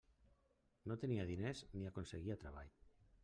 No tenia diners ni aconseguia treball.